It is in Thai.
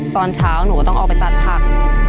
ตอนเช้าหนูก็ต้องออกไปตัดผัก